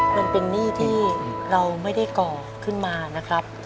มันเป็นหนี้ที่เราไม่ได้ก่อขึ้นมานะครับ